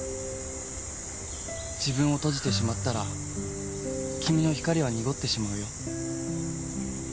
自分を閉じてしまったら君の光は濁ってしまうよ。